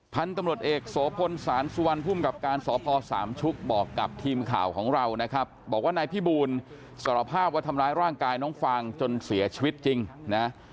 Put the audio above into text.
พันธุ์ตำรวจเอกโสพลสารสุวรรณภูมิกับการสพสามชุกบอกกับทีมข่าวของเรานะครับบอกว่านายพี่บูลสารภาพว่าทำร้ายร่างกายน้องฟางจนเสียชีวิตจริงนะ